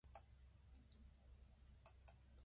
こっちを立てれば向こうが立たぬ千番に一番の兼合い